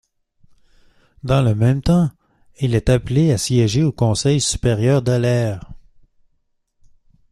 Dans le même temps, il est appelé à siéger au Conseil Supérieur de l'Air.